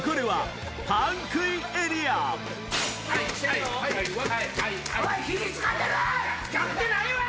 はい！